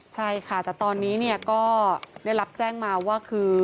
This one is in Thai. ใช่ค่ะแต่ตอนนี้ก็ได้รับแจ้งมาว่าคือ